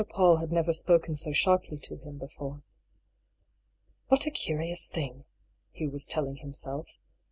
Paull had ncTer spoken so sharply to him before. "• What a curious thing," Hugh was telling himself.